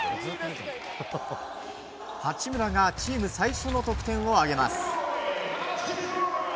八村がチーム最初の得点を挙げます。